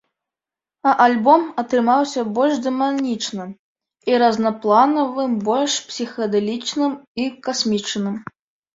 А альбом атрымаўся больш дынамічным і разнапланавым, больш псіхадэлічным і касмічным.